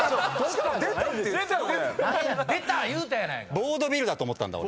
「ボードビル」だと思ったんだ俺。